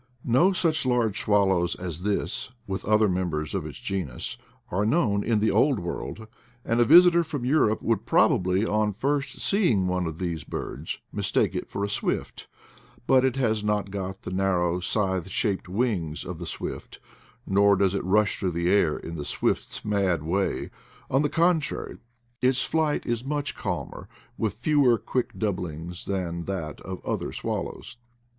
No such large swallows as this, with other members of its genus, are known in the Old World; and a visitor from Europe would probably, on first seeing one of these birds, mistake it for a swift; but it has not got the narrow, scythe shaped wings of the swift, nor does it rush through the air in the swift's mad way; on the contrary, its flight is much calmer, with fewer quick doublings than that of other swallows.